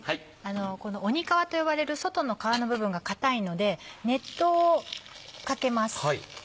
この鬼皮と呼ばれる外の皮の部分が硬いので熱湯をかけます。